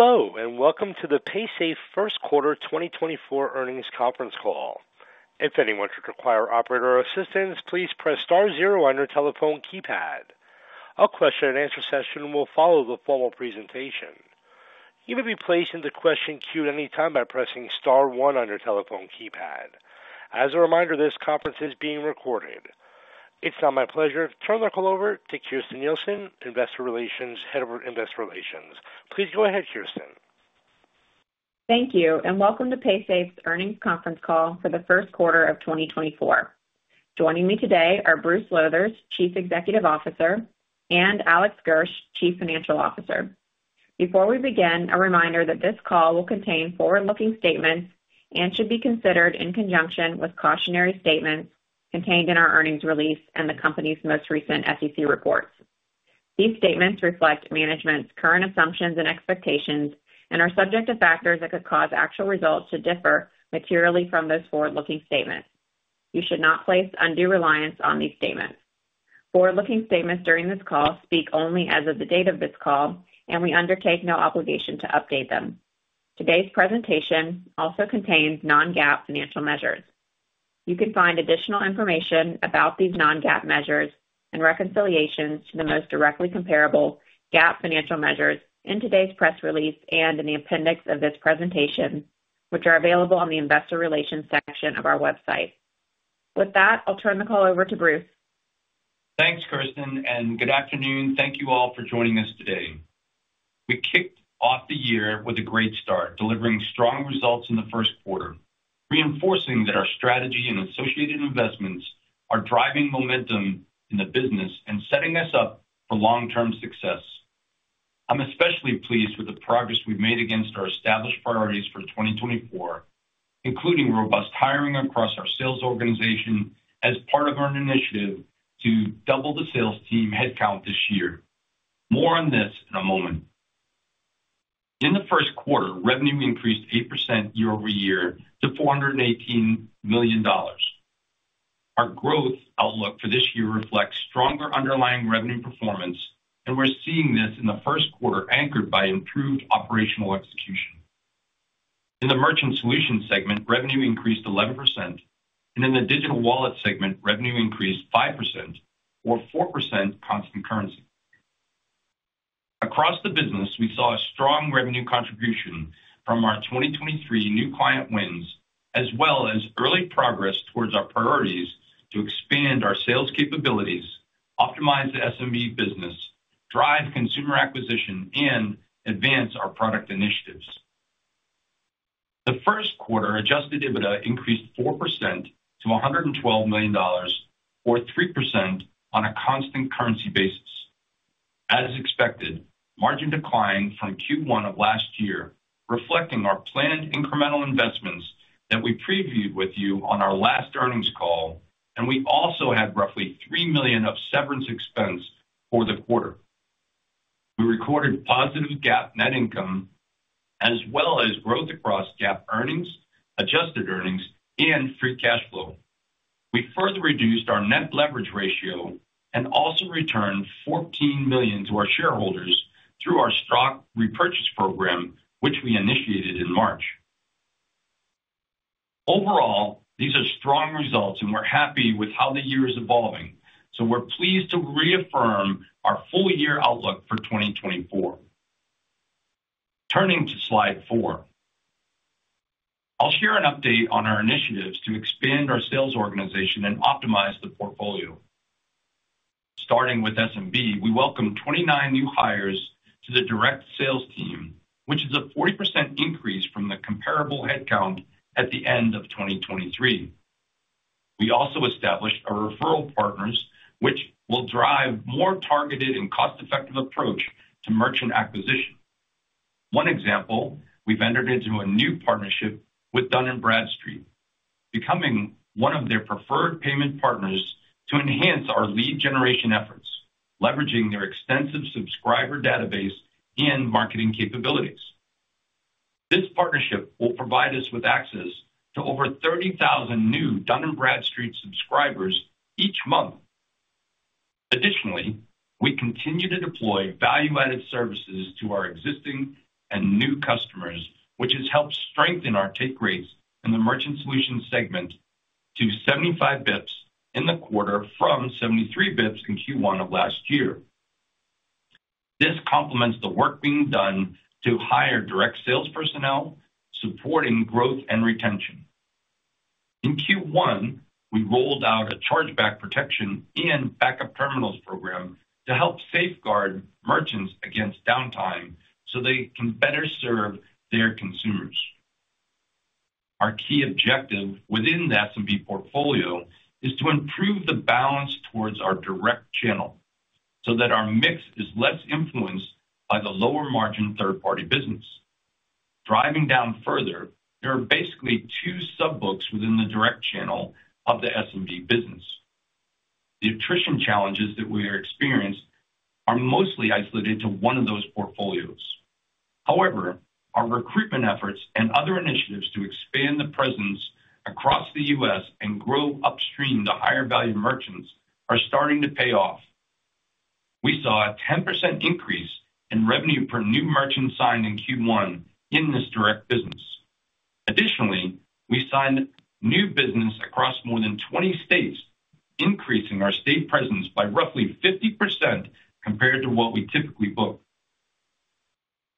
Hello and welcome to the Paysafe First Quarter 2024 Earnings Conference Call. If anyone should require operator assistance, please press star zero on your telephone keypad. A question-and-answer session will follow the formal presentation. You may be placed into question queue at any time by pressing star one on your telephone keypad. As a reminder, this conference is being recorded. It's now my pleasure to turn the call over to Kirsten Nielsen, Investor Relations, Head of Investor Relations. Please go ahead, Kirsten. Thank you, and welcome to Paysafe's Earnings Conference Call for the first quarter of 2024. Joining me today are Bruce Lowthers, Chief Executive Officer, and Alex Gersh, Chief Financial Officer. Before we begin, a reminder that this call will contain forward-looking statements and should be considered in conjunction with cautionary statements contained in our earnings release and the company's most recent SEC reports. These statements reflect management's current assumptions and expectations and are subject to factors that could cause actual results to differ materially from those forward-looking statements. You should not place undue reliance on these statements. Forward-looking statements during this call speak only as of the date of this call, and we undertake no obligation to update them. Today's presentation also contains non-GAAP financial measures. You can find additional information about these non-GAAP measures and reconciliations to the most directly comparable GAAP financial measures in today's press release and in the appendix of this presentation, which are available on the Investor Relations section of our website. With that, I'll turn the call over to Bruce. Thanks, Kirsten, and good afternoon. Thank you all for joining us today. We kicked off the year with a great start, delivering strong results in the first quarter, reinforcing that our strategy and associated investments are driving momentum in the business and setting us up for long-term success. I'm especially pleased with the progress we've made against our established priorities for 2024, including robust hiring across our sales organization as part of our initiative to double the sales team headcount this year. More on this in a moment. In the first quarter, revenue increased 8% year-over-year to $418 million. Our growth outlook for this year reflects stronger underlying revenue performance, and we're seeing this in the first quarter anchored by improved operational execution. In the Merchant Solutions segment, revenue increased 11%, and in the Digital Wallets segment, revenue increased 5%, or 4% constant currency. Across the business, we saw a strong revenue contribution from our 2023 new client wins, as well as early progress towards our priorities to expand our sales capabilities, optimize the SMB business, drive consumer acquisition, and advance our product initiatives. The first quarter adjusted EBITDA increased 4% to $112 million, or 3% on a constant currency basis. As expected, margin declined from Q1 of last year, reflecting our planned incremental investments that we previewed with you on our last earnings call, and we also had roughly $3 million of severance expense for the quarter. We recorded positive GAAP net income, as well as growth across GAAP earnings, adjusted earnings, and free cash flow. We further reduced our net leverage ratio and also returned $14 million to our shareholders through our stock repurchase program, which we initiated in March. Overall, these are strong results, and we're happy with how the year is evolving, so we're pleased to reaffirm our full-year outlook for 2024. Turning to slide four, I'll share an update on our initiatives to expand our sales organization and optimize the portfolio. Starting with SMB, we welcomed 29 new hires to the direct sales team, which is a 40% increase from the comparable headcount at the end of 2023. We also established referral partners, which will drive a more targeted and cost-effective approach to merchant acquisition. One example, we've entered into a new partnership with Dun & Bradstreet, becoming one of their preferred payment partners to enhance our lead generation efforts, leveraging their extensive subscriber database and marketing capabilities. This partnership will provide us with access to over 30,000 new Dun & Bradstreet subscribers each month. Additionally, we continue to deploy value-added services to our existing and new customers, which has helped strengthen our take rates in the merchant solutions segment to 75 basis points in the quarter from 73 basis points in Q1 of last year. This complements the work being done to hire direct sales personnel, supporting growth and retention. In Q1, we rolled out a chargeback protection and backup terminals program to help safeguard merchants against downtime so they can better serve their consumers. Our key objective within the SMB portfolio is to improve the balance towards our direct channel so that our mix is less influenced by the lower-margin third-party business. Driving down further, there are basically two sub-books within the direct channel of the SMB business. The attrition challenges that we are experiencing are mostly isolated to one of those portfolios. However, our recruitment efforts and other initiatives to expand the presence across the U.S. and grow upstream the higher-value merchants are starting to pay off. We saw a 10% increase in revenue per new merchant signed in Q1 in this direct business. Additionally, we signed new business across more than 20 states, increasing our state presence by roughly 50% compared to what we typically book.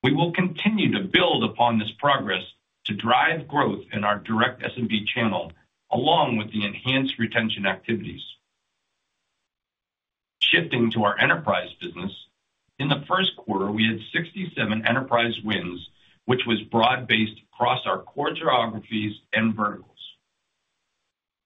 We will continue to build upon this progress to drive growth in our direct SMB channel along with the enhanced retention activities. Shifting to our enterprise business, in the first quarter, we had 67 enterprise wins, which was broad-based across our core geographies and verticals.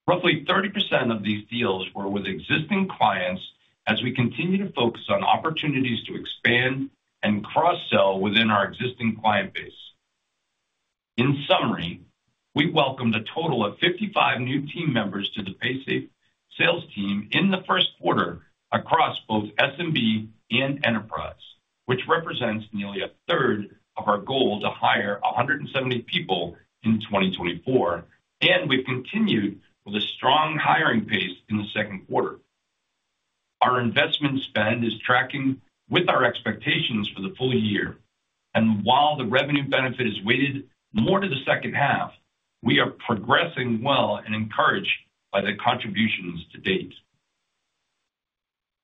Roughly 30% of these deals were with existing clients as we continue to focus on opportunities to expand and cross-sell within our existing client base. In summary, we welcomed a total of 55 new team members to the Paysafe sales team in the first quarter across both SMB and enterprise, which represents nearly a third of our goal to hire 170 people in 2024, and we've continued with a strong hiring pace in the second quarter. Our investment spend is tracking with our expectations for the full year, and while the revenue benefit is weighted more to the second half, we are progressing well and encouraged by the contributions to date.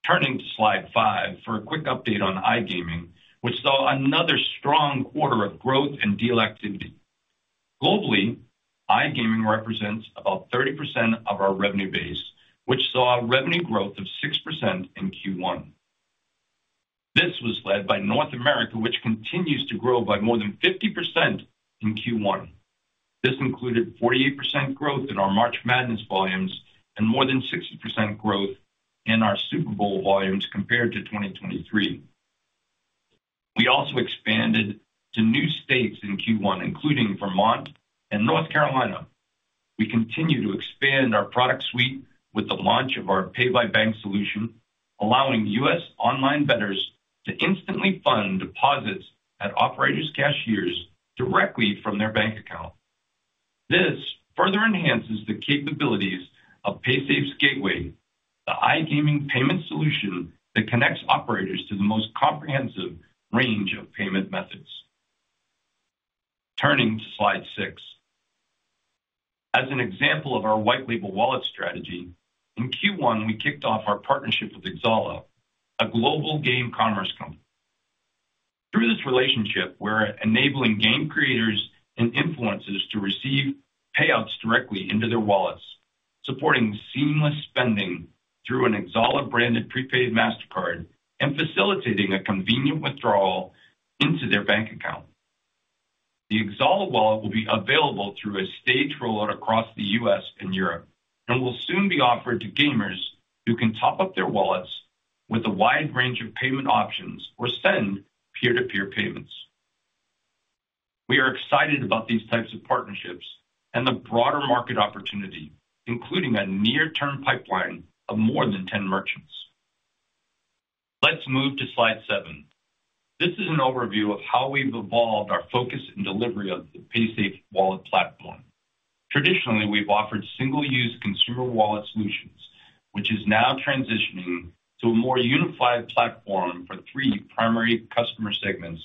Turning to slide five for a quick update on iGaming, which saw another strong quarter of growth and deal activity. Globally, iGaming represents about 30% of our revenue base, which saw revenue growth of 6% in Q1. This was led by North America, which continues to grow by more than 50% in Q1. This included 48% growth in our March Madness volumes and more than 60% growth in our Super Bowl volumes compared to 2023. We also expanded to new states in Q1, including Vermont and North Carolina. We continue to expand our product suite with the launch of our Pay by Bank solution, allowing U.S. online bettors to instantly fund deposits at operators' cashiers directly from their bank account. This further enhances the capabilities of Paysafe's gateway, the iGaming payment solution that connects operators to the most comprehensive range of payment methods. Turning to slide six, as an example of our white-label wallet strategy, in Q1, we kicked off our partnership with Xsolla, a global game commerce company. Through this relationship, we're enabling game creators and influencers to receive payouts directly into their wallets, supporting seamless spending through an Xsolla-branded prepaid Mastercard and facilitating a convenient withdrawal into their bank account. The Xsolla wallet will be available through a staged rollout across the U.S. and Europe and will soon be offered to gamers who can top up their wallets with a wide range of payment options or send peer-to-peer payments. We are excited about these types of partnerships and the broader market opportunity, including a near-term pipeline of more than 10 merchants. Let's move to slide seven. This is an overview of how we've evolved our focus and delivery of the Paysafe Wallet Platform. Traditionally, we've offered single-use consumer wallet solutions, which is now transitioning to a more unified platform for three primary customer segments,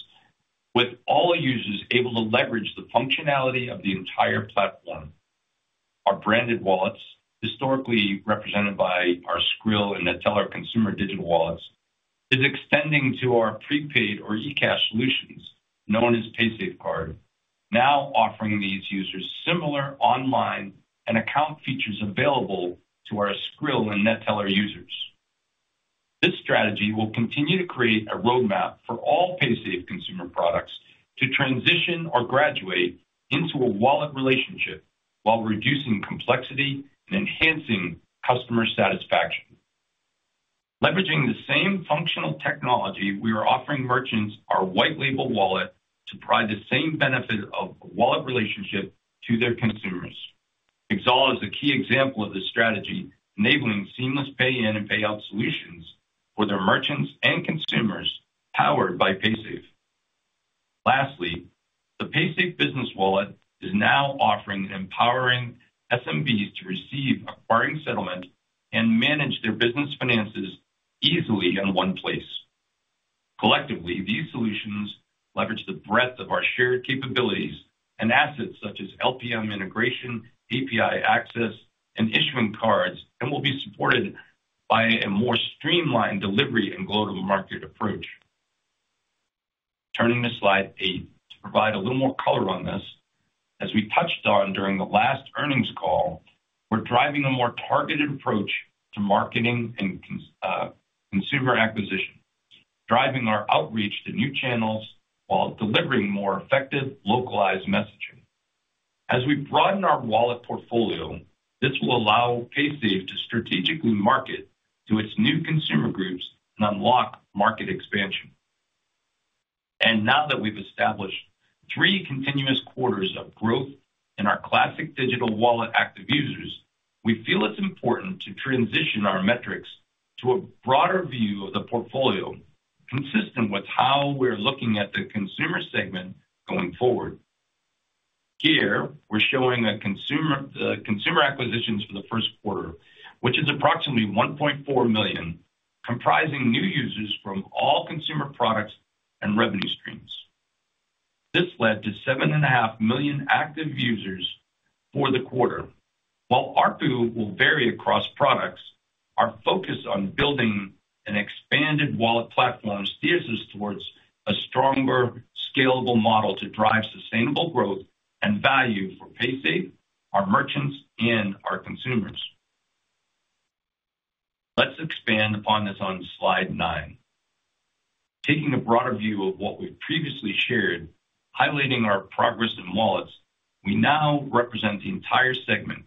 with all users able to leverage the functionality of the entire platform. Our branded wallets, historically represented by our Skrill and Neteller consumer Digital Wallets, are extending to our prepaid or e-cash solutions, known as Paysafecard, now offering these users similar online and account features available to our Skrill and Neteller users. This strategy will continue to create a roadmap for all Paysafe consumer products to transition or graduate into a wallet relationship while reducing complexity and enhancing customer satisfaction. Leveraging the same functional technology, we are offering merchants our white-label wallet to provide the same benefit of a wallet relationship to their consumers. Xsolla is a key example of this strategy, enabling seamless pay-in and pay-out solutions for their merchants and consumers powered by Paysafe. Lastly, the Paysafe Business Wallet is now offering empowering SMBs to receive acquiring settlement and manage their business finances easily in one place. Collectively, these solutions leverage the breadth of our shared capabilities and assets such as LPM integration, API access, and issuing cards, and will be supported by a more streamlined delivery and global market approach. Turning to slide eight to provide a little more color on this, as we touched on during the last earnings call, we're driving a more targeted approach to marketing and consumer acquisition, driving our outreach to new channels while delivering more effective localized messaging. As we broaden our wallet portfolio, this will allow Paysafe to strategically market to its new consumer groups and unlock market expansion. Now that we've established three continuous quarters of growth in our classic digital wallet active users, we feel it's important to transition our metrics to a broader view of the portfolio consistent with how we're looking at the consumer segment going forward. Here, we're showing the consumer acquisitions for the first quarter, which is approximately 1.4 million, comprising new users from all consumer products and revenue streams. This led to 7.5 million active users for the quarter. While ARPU will vary across products, our focus on building an expanded wallet platform steers us towards a stronger, scalable model to drive sustainable growth and value for Paysafe, our merchants, and our consumers. Let's expand upon this on slide nine. Taking a broader view of what we've previously shared, highlighting our progress in wallets, we now represent the entire segment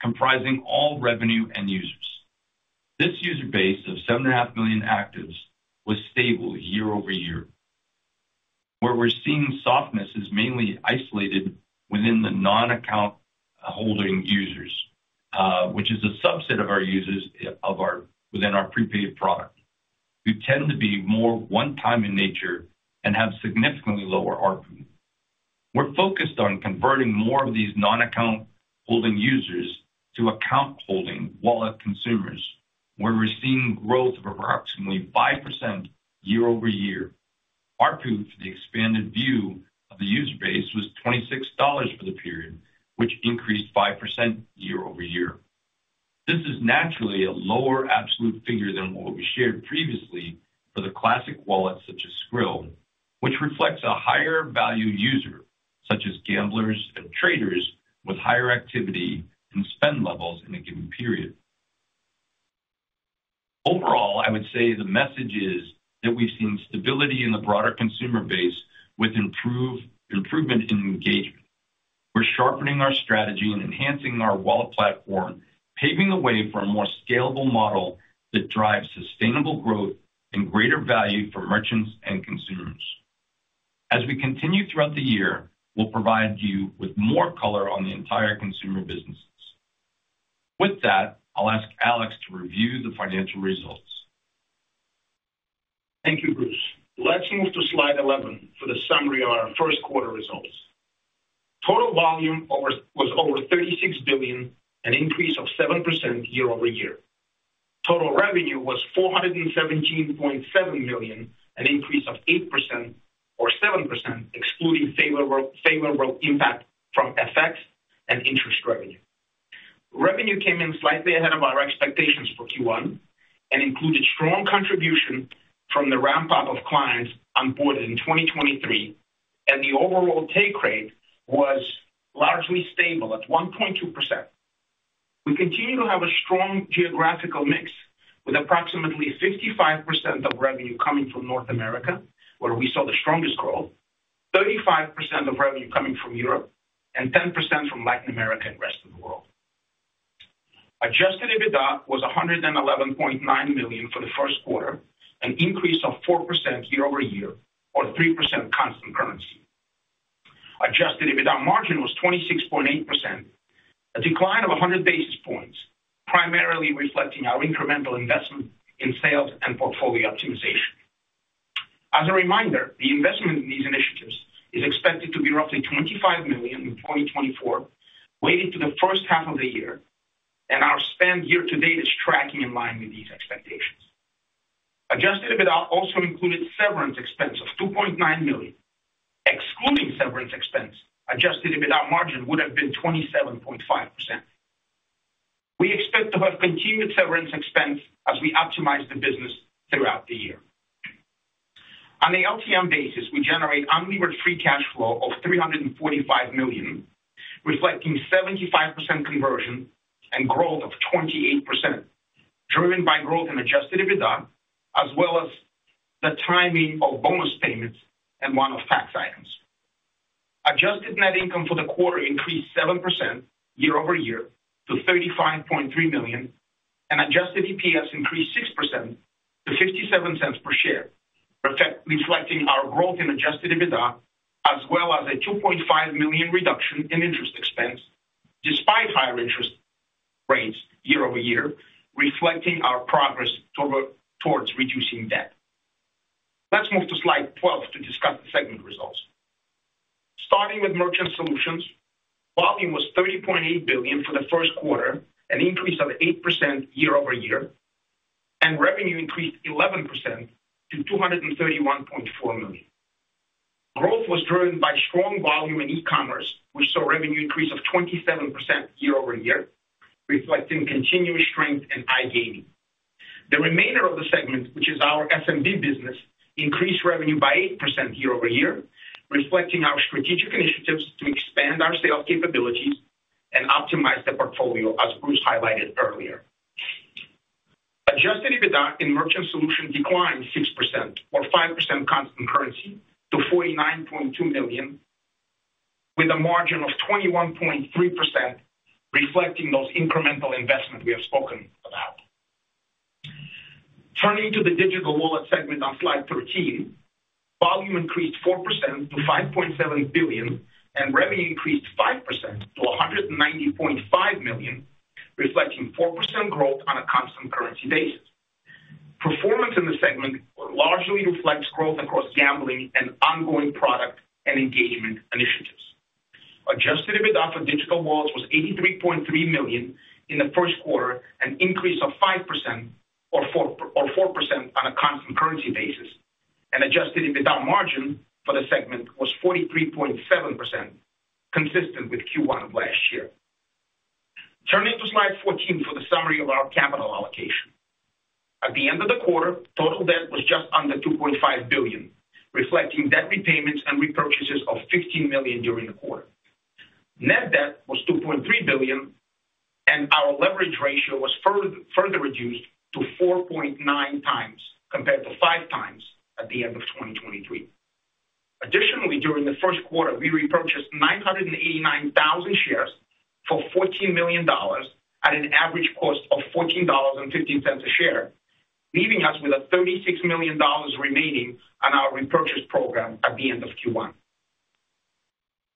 comprising all revenue and users. This user base of 7.5 million actives was stable year-over-year. Where we're seeing softness is mainly isolated within the non-account holding users, which is a subset of our users within our prepaid product, who tend to be more one-time in nature and have significantly lower ARPU. We're focused on converting more of these non-account holding users to account holding wallet consumers, where we're seeing growth of approximately 5% year-over-year. ARPU for the expanded view of the user base was $26 for the period, which increased 5% year-over-year. This is naturally a lower absolute figure than what we shared previously for the classic wallet such as Skrill, which reflects a higher-value user such as gamblers and traders with higher activity and spend levels in a given period. Overall, I would say the message is that we've seen stability in the broader consumer base with improvement in engagement. We're sharpening our strategy and enhancing our wallet platform, paving the way for a more scalable model that drives sustainable growth and greater value for merchants and consumers. As we continue throughout the year, we'll provide you with more color on the entire consumer businesses. With that, I'll ask Alex to review the financial results. Thank you, Bruce. Let's move to slide 11 for the summary of our first quarter results. Total volume was over $36 billion, an increase of 7% year-over-year. Total revenue was $417.7 million, an increase of 8% or 7% excluding favorable impact from FX and interest revenue. Revenue came in slightly ahead of our expectations for Q1 and included strong contribution from the ramp-up of clients onboarded in 2023, and the overall take rate was largely stable at 1.2%. We continue to have a strong geographical mix with approximately 55% of revenue coming from North America, where we saw the strongest growth, 35% of revenue coming from Europe, and 10% from Latin America and rest of the world. Adjusted EBITDA was $111.9 million for the first quarter, an increase of 4% year-over-year or 3% constant currency. Adjusted EBITDA margin was 26.8%, a decline of 100 basis points, primarily reflecting our incremental investment in sales and portfolio optimization. As a reminder, the investment in these initiatives is expected to be roughly $25 million in 2024, weighted to the first half of the year, and our spend year to date is tracking in line with these expectations. Adjusted EBITDA also included severance expense of $2.9 million. Excluding severance expense, adjusted EBITDA margin would have been 27.5%. We expect to have continued severance expense as we optimize the business throughout the year. On the LTM basis, we generate unlevered free cash flow of $345 million, reflecting 75% conversion and growth of 28% driven by growth in adjusted EBITDA as well as the timing of bonus payments and one-off tax items. Adjusted net income for the quarter increased 7% year-over-year to $35.3 million, and adjusted EPS increased 6% to $0.57 per share, reflecting our growth in Adjusted EBITDA as well as a $2.5 million reduction in interest expense despite higher interest rates year-over-year, reflecting our progress towards reducing debt. Let's move to slide 12 to discuss the segment results. Starting with Merchant Solutions, volume was $30.8 billion for the first quarter, an increase of 8% year-over-year, and revenue increased 11% to $231.4 million. Growth was driven by strong volume in e-commerce, which saw revenue increase of 27% year-over-year, reflecting continuous strength in iGaming. The remainder of the segment, which is our SMB business, increased revenue by 8% year-over-year, reflecting our strategic initiatives to expand our sales capabilities and optimize the portfolio, as Bruce highlighted earlier. Adjusted EBITDA in merchant solutions declined 6% or 5% constant currency to $49.2 million, with a margin of 21.3% reflecting those incremental investments we have spoken about. Turning to the digital wallet segment on slide 13, volume increased 4% to $5.7 billion, and revenue increased 5% to $190.5 million, reflecting 4% growth on a constant currency basis. Performance in the segment largely reflects growth across gambling and ongoing product and engagement initiatives. Adjusted EBITDA for digital wallets was $83.3 million in the first quarter, an increase of 5% or 4% on a constant currency basis, and adjusted EBITDA margin for the segment was 43.7%, consistent with Q1 of last year. Turning to slide 14 for the summary of our capital allocation. At the end of the quarter, total debt was just under $2.5 billion, reflecting debt repayments and repurchases of $15 million during the quarter. Net debt was $2.3 billion, and our leverage ratio was further reduced to 4.9 times compared to 5x at the end of 2023. Additionally, during the first quarter, we repurchased 989,000 shares for $14 million at an average cost of $14.15 a share, leaving us with $36 million remaining on our repurchase program at the end of Q1.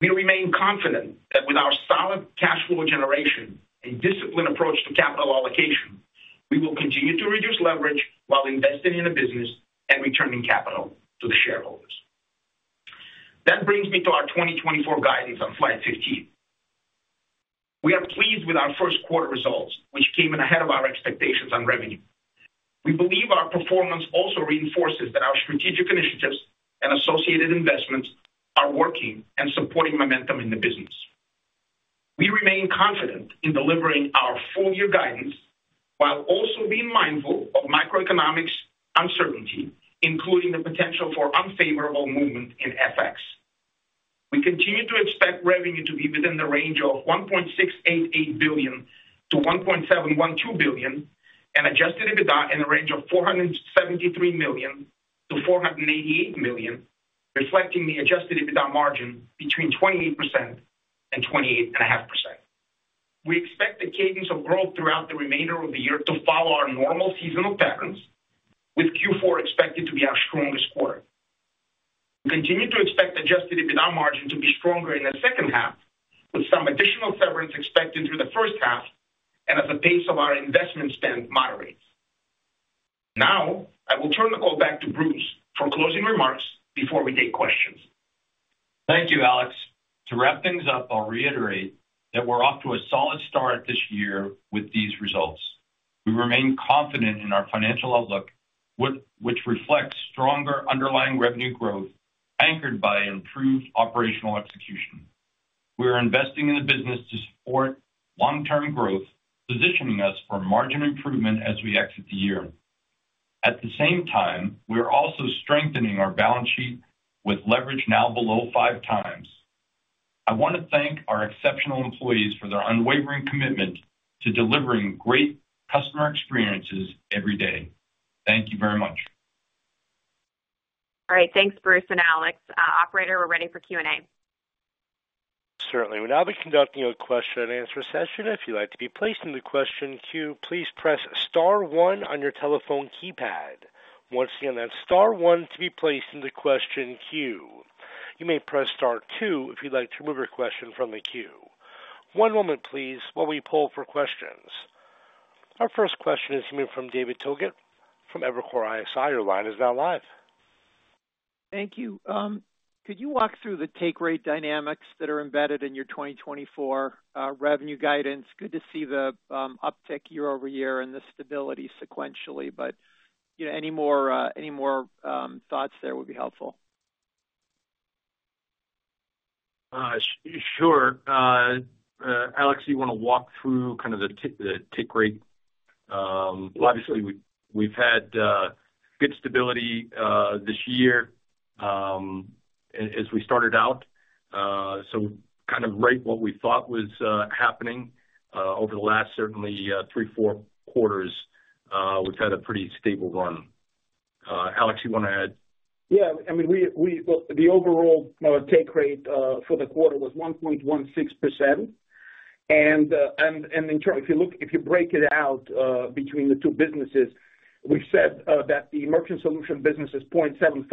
We remain confident that with our solid cash flow generation and disciplined approach to capital allocation, we will continue to reduce leverage while investing in a business and returning capital to the shareholders. That brings me to our 2024 guidance on slide 15. We are pleased with our first quarter results, which came in ahead of our expectations on revenue. We believe our performance also reinforces that our strategic initiatives and associated investments are working and supporting momentum in the business. We remain confident in delivering our full-year guidance while also being mindful of macroeconomic uncertainty, including the potential for unfavorable movement in FX. We continue to expect revenue to be within the range of $1.688 billion-$1.712 billion, and Adjusted EBITDA in the range of $473 million-$488 million, reflecting the Adjusted EBITDA margin between 28%-28.5%. We expect the cadence of growth throughout the remainder of the year to follow our normal seasonal patterns, with Q4 expected to be our strongest quarter. We continue to expect Adjusted EBITDA margin to be stronger in the second half, with some additional severance expected through the first half and as the pace of our investment spend moderates. Now, I will turn the call back to Bruce for closing remarks before we take questions. Thank you, Alex. To wrap things up, I'll reiterate that we're off to a solid start this year with these results. We remain confident in our financial outlook, which reflects stronger underlying revenue growth anchored by improved operational execution. We are investing in the business to support long-term growth, positioning us for margin improvement as we exit the year. At the same time, we are also strengthening our balance sheet with leverage now below 5x. I want to thank our exceptional employees for their unwavering commitment to delivering great customer experiences every day. Thank you very much. All right. Thanks, Bruce and Alex. Operator, we're ready for Q&A. Certainly. We'll now be conducting a question-and-answer session. If you'd like to be placed in the question queue, please press star one on your telephone keypad. Once again, that's star one to be placed in the question queue. You may press star two if you'd like to remove your question from the queue. One moment, please, while we pull for questions. Our first question is coming from David Togut from Evercore ISI. Your line is now live. Thank you. Could you walk through the take rate dynamics that are embedded in your 2024 revenue guidance? Good to see the uptick year-over-year and the stability sequentially, but any more thoughts there would be helpful. Sure. Alex, do you want to walk through kind of the take rate? Obviously, we've had good stability this year as we started out, so kind of right what we thought was happening over the last, certainly, three, four quarters, we've had a pretty stable run. Alex, do you want to add? Yeah. I mean, well, the overall take rate for the quarter was 1.16%. If you break it out between the two businesses, we've said that the merchant solution business is 0.75%,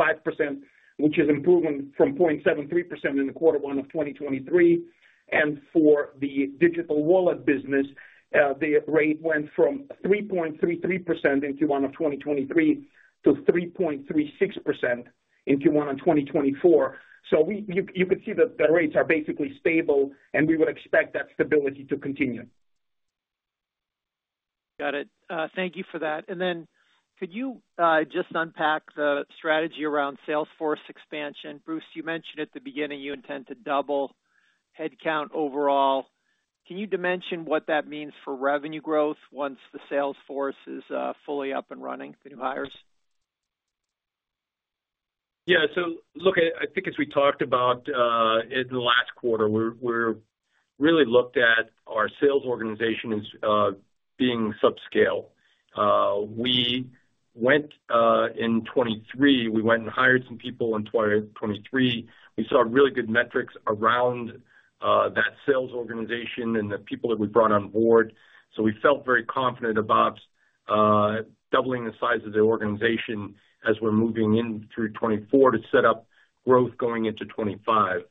which is improvement from 0.73% in quarter one of 2023. For the digital wallet business, the rate went from 3.33% in Q1 of 2023 to 3.36% in Q1 of 2024. So you could see that the rates are basically stable, and we would expect that stability to continue. Got it. Thank you for that. Then could you just unpack the strategy around sales force expansion? Bruce, you mentioned at the beginning you intend to double headcount overall. Can you dimension what that means for revenue growth once the sales force is fully up and running, the new hires? Yeah. So look, I think as we talked about in the last quarter, we really looked at our sales organization as being subscale. In 2023, we went and hired some people. In 2023, we saw really good metrics around that sales organization and the people that we brought on board. So we felt very confident about doubling the size of the organization as we're moving in through 2024 to set up growth going into 2025.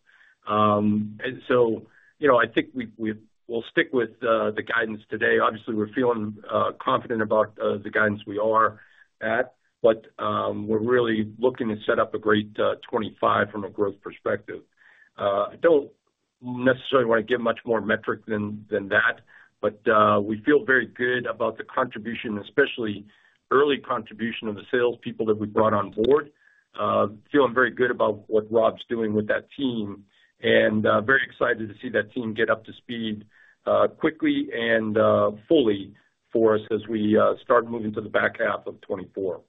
And so I think we'll stick with the guidance today. Obviously, we're feeling confident about the guidance we are at, but we're really looking to set up a great 2025 from a growth perspective. I don't necessarily want to give much more metric than that, but we feel very good about the contribution, especially early contribution of the salespeople that we brought on board. Feeling very good about what Rob's doing with that team and very excited to see that team get up to speed quickly and fully for us as we start moving to the back half of 2024.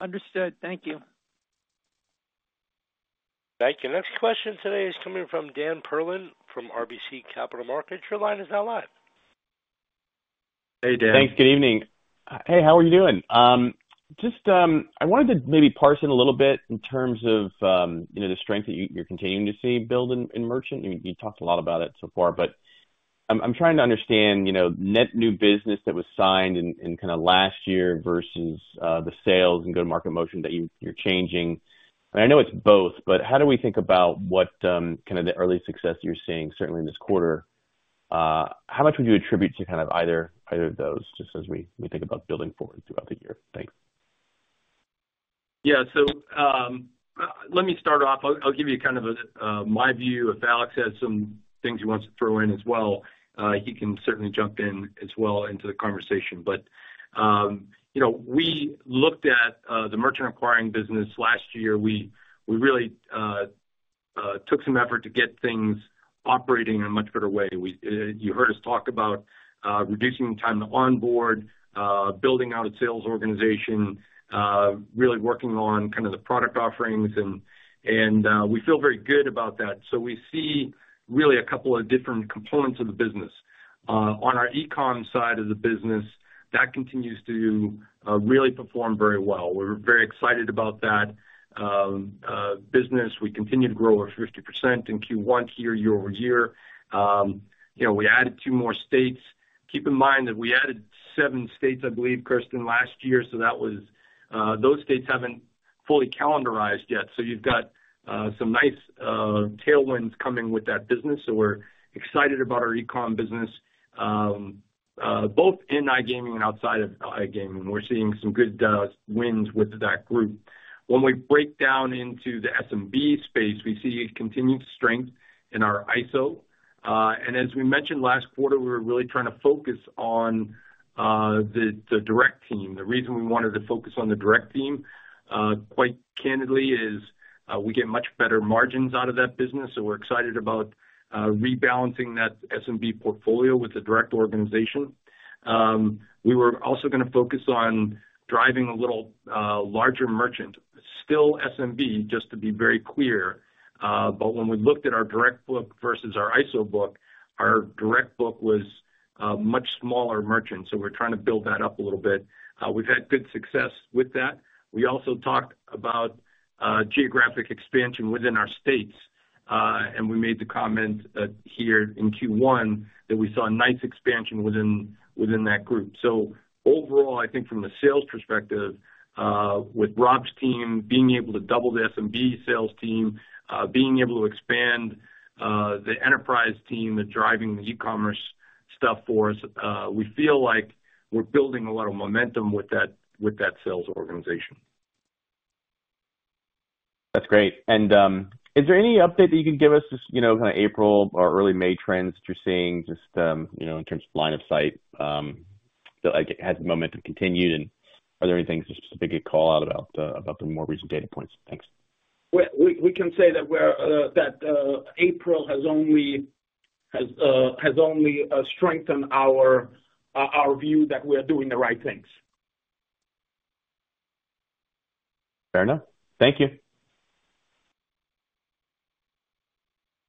Understood. Thank you. Thank you. Next question today is coming from Dan Perlin from RBC Capital Markets. Your line is now live. Hey, Dan. Thanks. Good evening. Hey, how are you doing? Just I wanted to maybe parse out a little bit in terms of the strength that you're continuing to see build in merchant. You talked a lot about it so far, but I'm trying to understand net new business that was signed in kind of last year versus the sales and go-to-market motion that you're changing. And I know it's both, but how do we think about kind of the early success that you're seeing, certainly in this quarter? How much would you attribute to kind of either of those just as we think about building forward throughout the year? Thanks. Yeah. So let me start off. I'll give you kind of my view. If Alex has some things he wants to throw in as well, he can certainly jump in as well into the conversation. But we looked at the merchant acquiring business last year. We really took some effort to get things operating in a much better way. You heard us talk about reducing time to onboard, building out a sales organization, really working on kind of the product offerings. And we feel very good about that. So we see really a couple of different components of the business. On our e-com side of the business, that continues to really perform very well. We're very excited about that business. We continue to grow with 50% in Q1 year-over-year. We added two more states. Keep in mind that we added seven states, I believe, Kirsten, last year. So those states haven't fully calendarized yet. So you've got some nice tailwinds coming with that business. So we're excited about our e-com business, both in iGaming and outside of iGaming. We're seeing some good winds with that group. When we break down into the SMB space, we see continued strength in our ISO. And as we mentioned last quarter, we were really trying to focus on the direct team. The reason we wanted to focus on the direct team, quite candidly, is we get much better margins out of that business. So we're excited about rebalancing that SMB portfolio with the direct organization. We were also going to focus on driving a little larger merchant, still SMB, just to be very clear. But when we looked at our direct book versus our ISO book, our direct book was much smaller merchant. So we're trying to build that up a little bit. We've had good success with that. We also talked about geographic expansion within our states, and we made the comment here in Q1 that we saw nice expansion within that group. So overall, I think from the sales perspective, with Rob's team being able to double the SMB sales team, being able to expand the enterprise team that's driving the e-commerce stuff for us, we feel like we're building a lot of momentum with that sales organization. That's great. And is there any update that you can give us, just kind of April or early May trends that you're seeing just in terms of line of sight that has momentum continued? And are there any things in specific you'd call out about the more recent data points? Thanks. We can say that April has only strengthened our view that we're doing the right things. Fair enough. Thank you.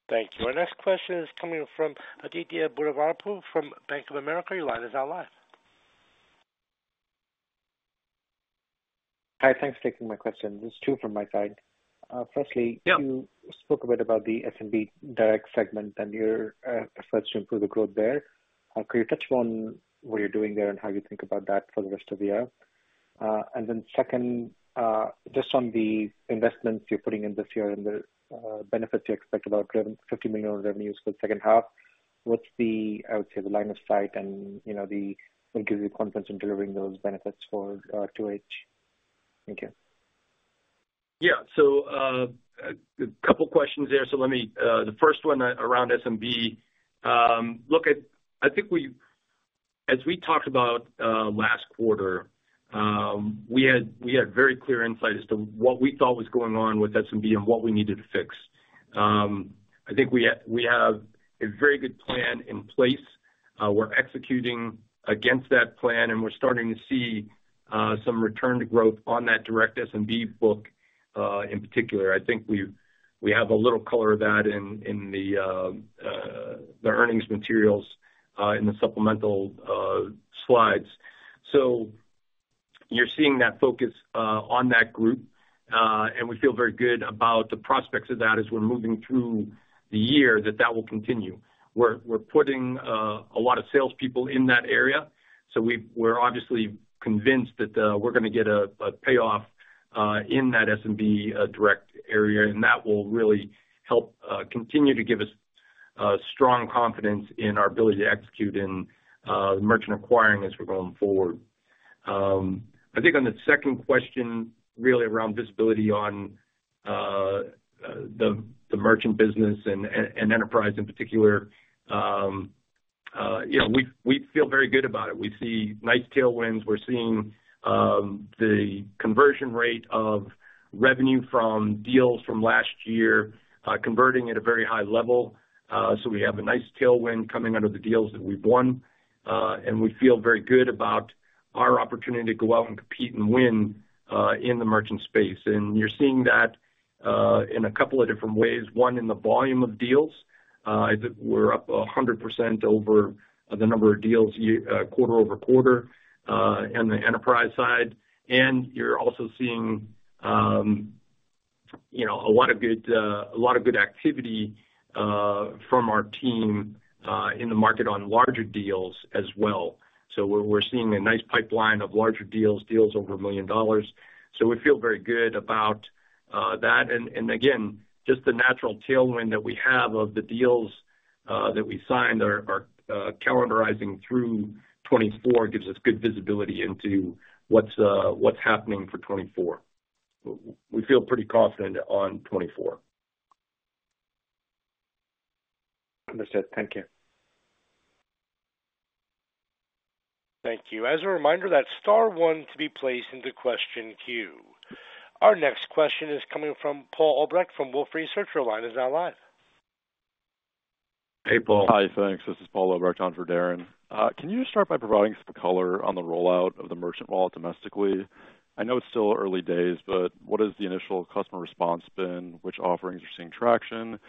Thank you. Our next question is coming from Aditya Buddhavarapu from Bank of America. Your line is now live. Hi. Thanks for taking my question. This is two from my side. Firstly, you spoke a bit about the SMB direct segment and your efforts to improve the growth there. Could you touch upon what you're doing there and how you think about that for the rest of the year? And then second, just on the investments you're putting in this year and the benefits you expect about $50 million in revenues for the second half, what's the, I would say, the line of sight and what gives you confidence in delivering those benefits for 2H? Thank you. Yeah. So a couple questions there. So the first one around SMB, I think as we talked about last quarter, we had very clear insight as to what we thought was going on with SMB and what we needed to fix. I think we have a very good plan in place. We're executing against that plan, and we're starting to see some return to growth on that direct SMB book in particular. I think we have a little color of that in the earnings materials in the supplemental slides. So you're seeing that focus on that group, and we feel very good about the prospects of that as we're moving through the year, that that will continue. We're putting a lot of salespeople in that area. So we're obviously convinced that we're going to get a payoff in that SMB direct area, and that will really help continue to give us strong confidence in our ability to execute in merchant acquiring as we're going forward. I think on the second question, really around visibility on the merchant business and enterprise in particular, we feel very good about it. We see nice tailwinds. We're seeing the conversion rate of revenue from deals from last year converting at a very high level. So we have a nice tailwind coming out of the deals that we've won, and we feel very good about our opportunity to go out and compete and win in the merchant space. And you're seeing that in a couple of different ways, one in the volume of deals. We're up 100% over the number of deals quarter-over-quarter on the enterprise side. You're also seeing a lot of good a lot of good activity from our team in the market on larger deals as well. So we're seeing a nice pipeline of larger deals, deals over $1 million. So we feel very good about that. And again, just the natural tailwind that we have of the deals that we signed are calendarizing through 2024 gives us good visibility into what's happening for 2024. We feel pretty confident on 2024. Understood. Thank you. Thank you. As a reminder, that's star one to be placed into question queue. Our next question is coming from Paul Obrecht from Wolfe Research. Your line is now live. Hey, Paul. Hi. Thanks. This is Paul Obrecht, on for Darrin. Can you just start by providing some color on the rollout of the merchant wallet domestically? I know it's still early days, but what has the initial customer response been? Which offerings are seeing traction?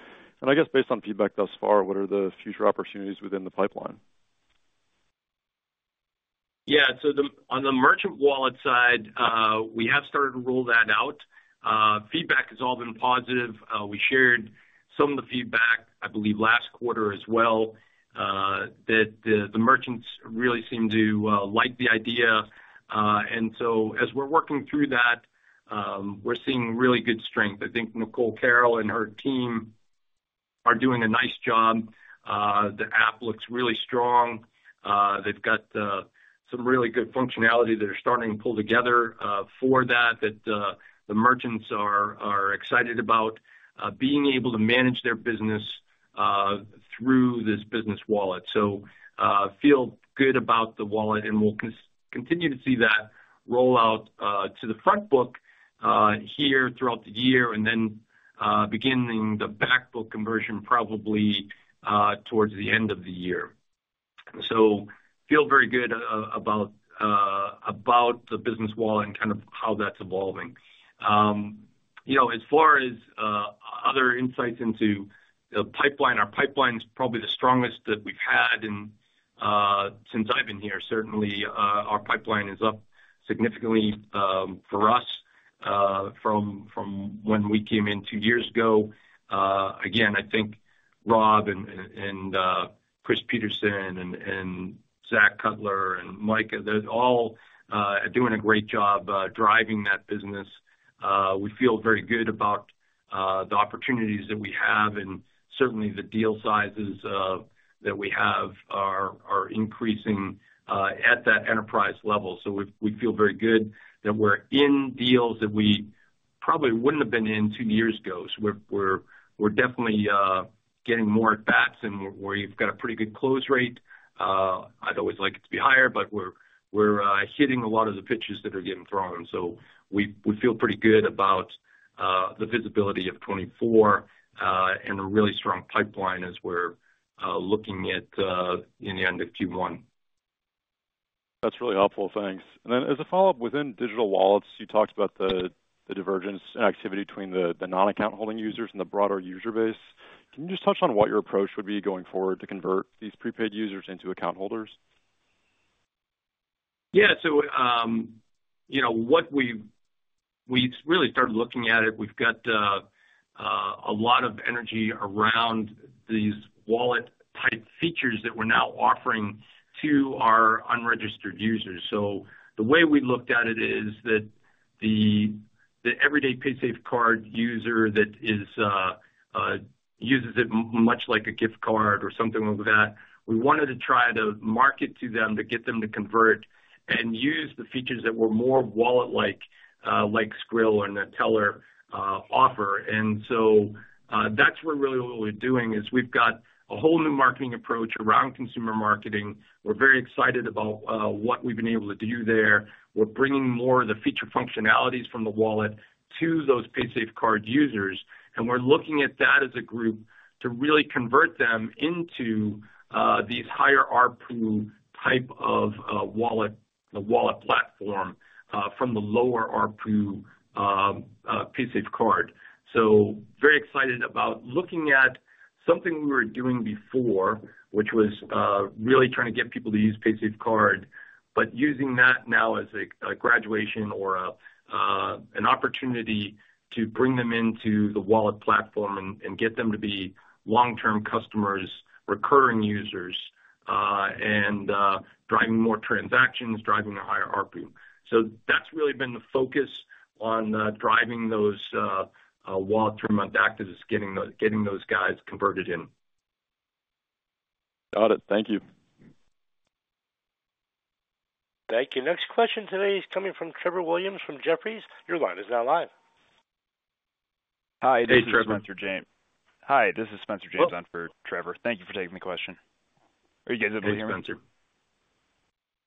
And I guess based on feedback thus far, what are the future opportunities within the pipeline? Yeah. So on the merchant wallet side, we have started to roll that out. Feedback has all been positive. We shared some of the feedback, I believe, last quarter as well, that the merchants really seem to like the idea. And so as we're working through that, we're seeing really good strength. I think Nicole Carroll and her team are doing a nice job. The app looks really strong. They've got some really good functionality that are starting to pull together for that, that the merchants are excited about being able to manage their business through this business wallet. So feel good about the wallet, and we'll continue to see that rollout to the front book here throughout the year and then beginning the back book conversion probably towards the end of the year. So feel very good about the business wallet and kind of how that's evolving. As far as other insights into the pipeline, our pipeline's probably the strongest that we've had since I've been here. Certainly, our pipeline is up significantly for us from when we came in two years ago. Again, I think Rob and Chris Peterson and Zak Cutler and Mika, they're all doing a great job driving that business. We feel very good about the opportunities that we have, and certainly, the deal sizes that we have are increasing at that enterprise level. So we feel very good that we're in deals that we probably wouldn't have been in two years ago. So we're definitely getting more at bats and where you've got a pretty good close rate. I'd always like it to be higher, but we're hitting a lot of the pitches that are getting thrown. So we feel pretty good about the visibility of 2024 and a really strong pipeline as we're looking at in the end of Q1. That's really helpful. Thanks. And then as a follow-up, within digital wallets, you talked about the divergence and activity between the non-account holding users and the broader user base. Can you just touch on what your approach would be going forward to convert these prepaid users into account holders? Yeah. So what we've really started looking at it. We've got a lot of energy around these wallet-type features that we're now offering to our unregistered users. So the way we looked at it is that the everyday Paysafecard user that uses it much like a gift card or something like that, we wanted to try to market to them to get them to convert and use the features that were more wallet-like like Skrill or Neteller offer. And so that's really what we're doing is we've got a whole new marketing approach around consumer marketing. We're very excited about what we've been able to do there. We're bringing more of the feature functionalities from the wallet to those Paysafecard users, and we're looking at that as a group to really convert them into these higher RPU type of wallet, the wallet platform, from the lower RPU Paysafecard. So very excited about looking at something we were doing before, which was really trying to get people to use Paysafecard, but using that now as a graduation or an opportunity to bring them into the wallet platform and get them to be long-term customers, recurring users, and driving more transactions, driving a higher ARPU. So that's really been the focus on driving those wall term adapters is getting those guys converted in. Got it. Thank you. Thank you. Next question today is coming from Trevor Williams from Jefferies. Your line is now live. Hi. This is Spencer James. Hi. This is Spencer James on for Trevor. Thank you for taking the question. Are you guys able to hear me? Hey, Spencer.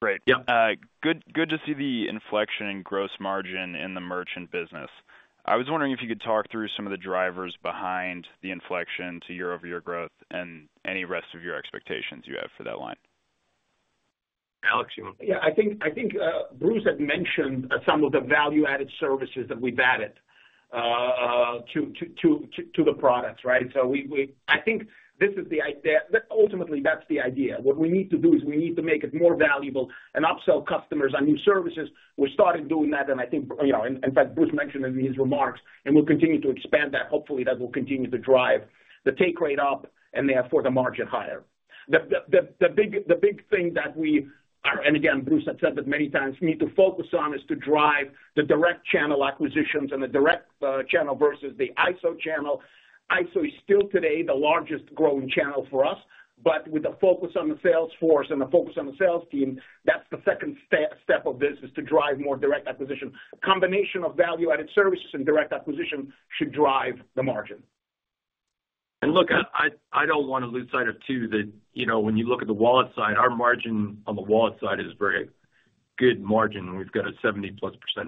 Great. Good to see the inflection in gross margin in the merchant business. I was wondering if you could talk through some of the drivers behind the inflection to year-over-year growth and any rest of your expectations you have for that line. Alex, you want to? Yeah. I think Bruce had mentioned some of the value-added services that we've added to the products, right? So I think this is the ultimately, that's the idea. What we need to do is we need to make it more valuable and upsell customers on new services. We're starting doing that, and I think in fact, Bruce mentioned it in his remarks, and we'll continue to expand that. Hopefully, that will continue to drive the take rate up and therefore the margin higher. The big thing that we and again, Bruce had said that many times, need to focus on is to drive the direct channel acquisitions and the direct channel versus the ISO channel. ISO is still today the largest growing channel for us, but with a focus on the sales force and a focus on the sales team, that's the second step of this is to drive more direct acquisition. Combination of value-added services and direct acquisition should drive the margin. And look, I don't want to lose sight of too that when you look at the wallet side, our margin on the wallet side is very good margin. We've got a 70%+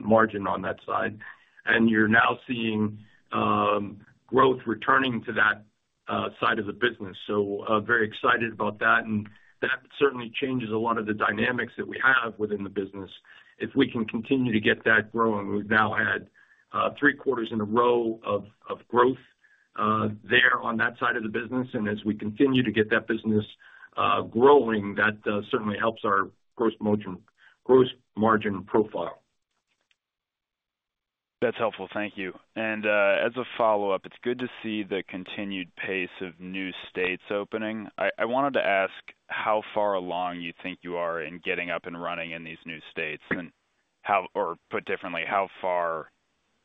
margin on that side, and you're now seeing growth returning to that side of the business. So very excited about that, and that certainly changes a lot of the dynamics that we have within the business. If we can continue to get that growing, we've now had three quarters in a row of growth there on that side of the business. And as we continue to get that business growing, that certainly helps our gross margin profile. That's helpful. Thank you. And as a follow-up, it's good to see the continued pace of new states opening. I wanted to ask how far along you think you are in getting up and running in these new states or put differently,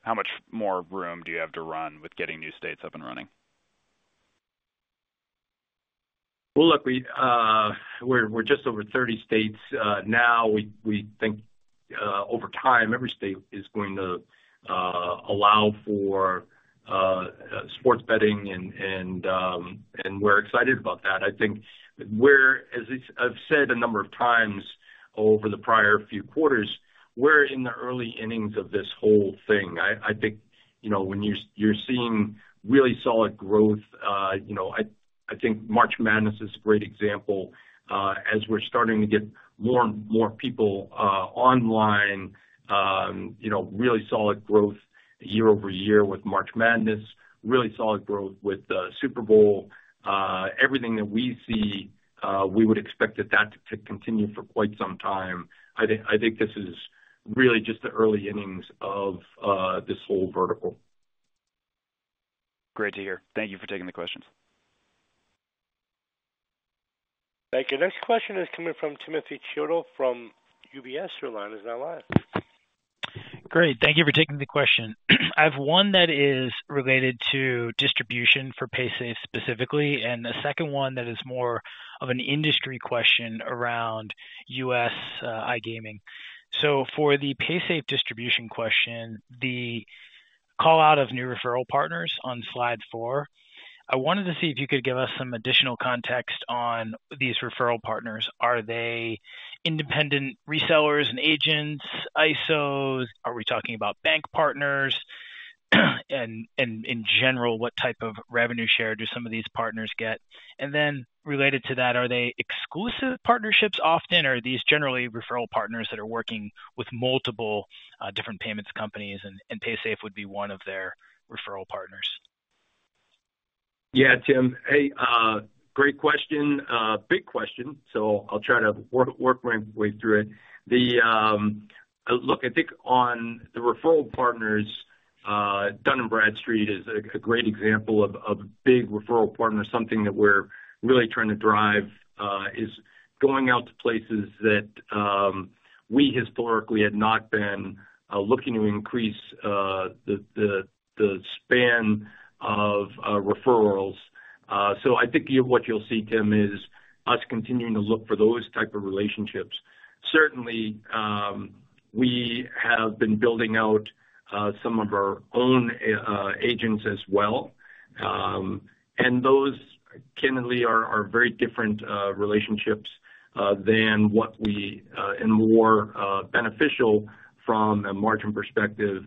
how much more room do you have to run with getting new states up and running? Well, look, we're just over 30 states now. We think over time, every state is going to allow for sports betting, and we're excited about that. I think we're, as I've said a number of times over the prior few quarters, we're in the early innings of this whole thing. I think when you're seeing really solid growth, I think March Madness is a great example. As we're starting to get more and more people online, really solid growth year-over-year with March Madness, really solid growth with the Super Bowl, everything that we see, we would expect that that to continue for quite some time. I think this is really just the early innings of this whole vertical. Great to hear. Thank you for taking the questions. Thank you. Next question is coming from Timothy Chiodo from UBS. Your line is now live. Great. Thank you for taking the question. I have one that is related to distribution for Paysafe specifically and a second one that is more of an industry question around US iGaming. So for the Paysafe distribution question, the callout of new referral partners on slide four, I wanted to see if you could give us some additional context on these referral partners. Are they independent resellers and agents, ISOs? Are we talking about bank partners? And in general, what type of revenue share do some of these partners get? And then related to that, are they exclusive partnerships often, or are these generally referral partners that are working with multiple different payments companies, and Paysafe would be one of their referral partners? Yeah, Tim. Hey, great question. Big question, so I'll try to work my way through it. Look, I think on the referral partners, Dun & Bradstreet is a great example of a big referral partner. Something that we're really trying to drive is going out to places that we historically had not been looking to increase the span of referrals. So I think what you'll see, Tim, is us continuing to look for those type of relationships. Certainly, we have been building out some of our own agents as well, and those candidly are very different relationships than what we and more beneficial from a margin perspective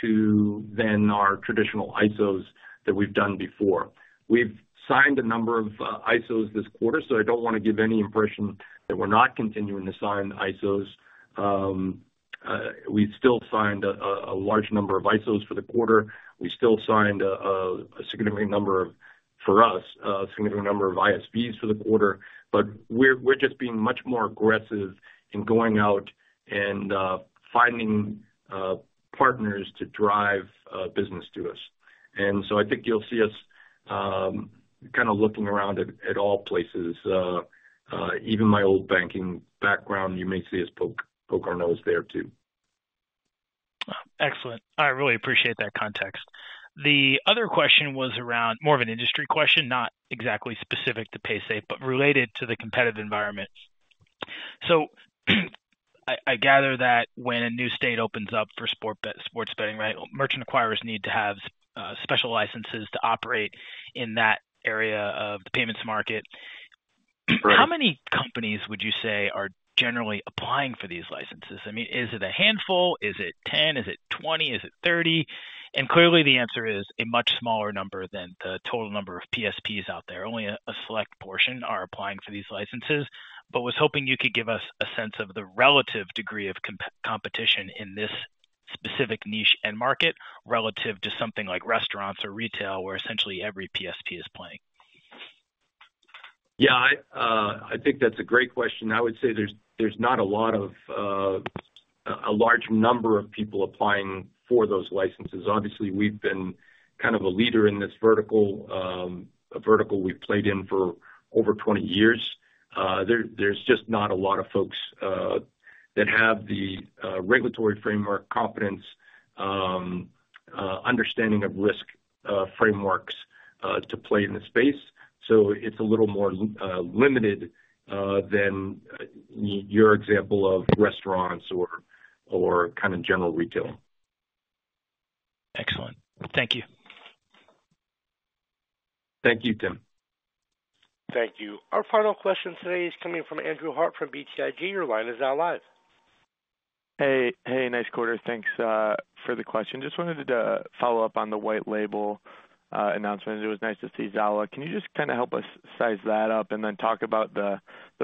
to than our traditional ISOs that we've done before. We've signed a number of ISOs this quarter, so I don't want to give any impression that we're not continuing to sign ISOs. We still signed a large number of ISOs for the quarter. We still signed a significant number of for us, a significant number of ISVs for the quarter, but we're just being much more aggressive in going out and finding partners to drive business to us. And so I think you'll see us kind of looking around at all places. Even my old banking background, you may see us poke our nose there too. Excellent. I really appreciate that context. The other question was around more of an industry question, not exactly specific to Paysafe, but related to the competitive environment. So I gather that when a new state opens up for sports betting, right, merchant acquirers need to have special licenses to operate in that area of the payments market. How many companies would you say are generally applying for these licenses? I mean, is it a handful? Is it 10? Is it 20? Is it 30? And clearly, the answer is a much smaller number than the total number of PSPs out there. Only a select portion are applying for these licenses, but was hoping you could give us a sense of the relative degree of competition in this specific niche and market relative to something like restaurants or retail where essentially every PSP is playing. Yeah, I think that's a great question. I would say there's not a lot of a large number of people applying for those licenses. Obviously, we've been kind of a leader in this vertical, a vertical we've played in for over 20 years. There's just not a lot of folks that have the regulatory framework competence, understanding of risk frameworks to play in the space. So it's a little more limited than your example of restaurants or kind of general retail. Excellent. Thank you. Thank you, Tim. Thank you. Our final question today is coming from Andrew Harte from BTIG. Your line is now live. Hey, nice quarter. Thanks for the question. Just wanted to follow up on the white label announcement. It was nice to see Xsolla. Can you just kind of help us size that up and then talk about the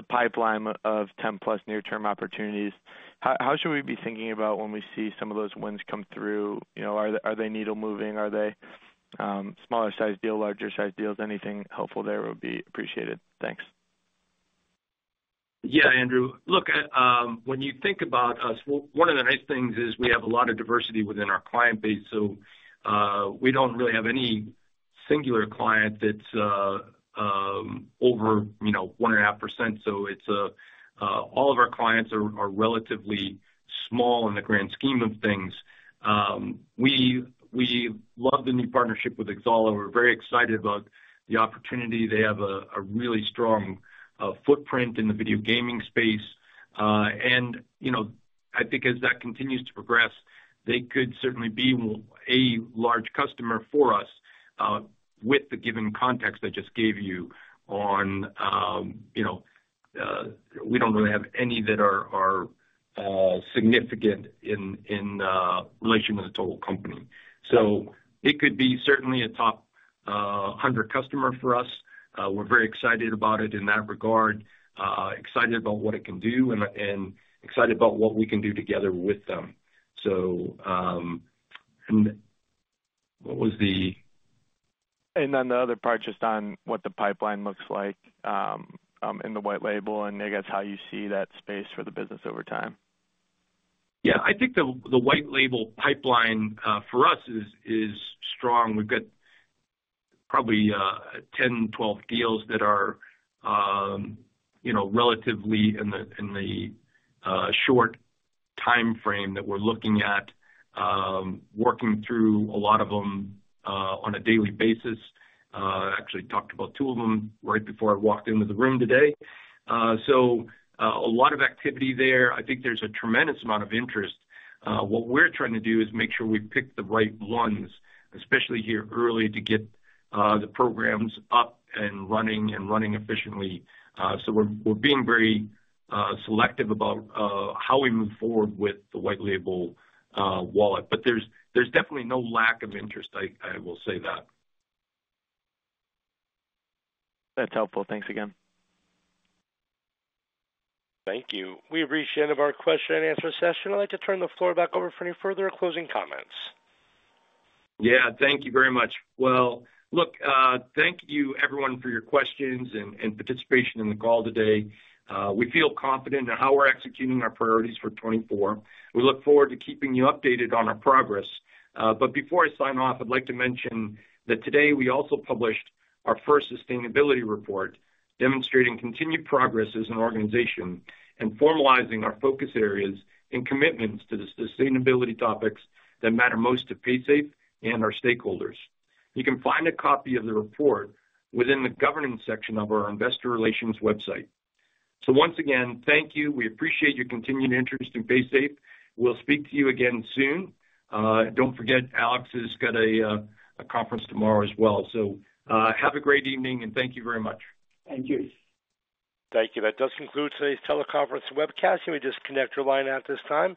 pipeline of 10+ near-term opportunities? How should we be thinking about when we see some of those winds come through? Are they needle-moving? Are they smaller-sized deal, larger-sized deals? Anything helpful there would be appreciated. Thanks. Yeah, Andrew. Look, when you think about us, one of the nice things is we have a lot of diversity within our client base. So we don't really have any singular client that's over 1.5%. So all of our clients are relatively small in the grand scheme of things. We love the new partnership with Xsolla. We're very excited about the opportunity. They have a really strong footprint in the video gaming space. And I think as that continues to progress, they could certainly be a large customer for us with the given context I just gave you on we don't really have any that are significant in relation to the total company. So it could be certainly a top 100 customer for us. We're very excited about it in that regard, excited about what it can do, and excited about what we can do together with them. And what was the? And then the other part just on what the pipeline looks like in the white label and I guess how you see that space for the business over time. Yeah, I think the white label pipeline for us is strong. We've got probably 10, 12 deals that are relatively in the short time frame that we're looking at, working through a lot of them on a daily basis. I actually talked about two of them right before I walked into the room today. So a lot of activity there. I think there's a tremendous amount of interest. What we're trying to do is make sure we pick the right ones, especially here early, to get the programs up and running and running efficiently. So we're being very selective about how we move forward with the white label wallet, but there's definitely no lack of interest. I will say that. That's helpful. Thanks again. Thank you. We appreciate it of our question and answer session. I'd like to turn the floor back over for any further or closing comments. Yeah, thank you very much. Well, look, thank you, everyone, for your questions and participation in the call today. We feel confident in how we're executing our priorities for 2024. We look forward to keeping you updated on our progress. But before I sign off, I'd like to mention that today we also published our first sustainability report demonstrating continued progress as an organization and formalizing our focus areas and commitments to the sustainability topics that matter most to Paysafe and our stakeholders. You can find a copy of the report within the governance section of our investor relations website. So once again, thank you. We appreciate your continued interest in Paysafe. We'll speak to you again soon. Don't forget, Alex has got a conference tomorrow as well. So have a great evening, and thank you very much. Thank you. Thank you. That does conclude today's teleconference webcast. Can we just disconnect your line at this time?